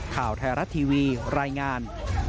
ข่าวไทยรัฐทีวีรายงาน